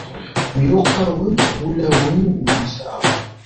Myuqqanen wulawen-nteɣ.